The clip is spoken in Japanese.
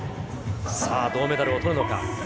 さあ、銅メダルをとるのか。